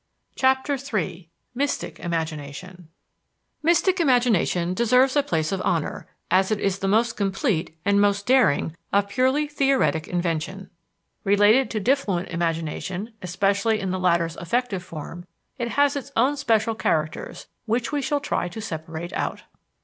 CHAPTER III. THE MYSTIC IMAGINATION Mystic imagination deserves a place of honor, as it is the most complete and most daring of purely theoretic invention. Related to diffluent imagination, especially in the latter's affective form, it has its own special characters, which we shall try to separate out.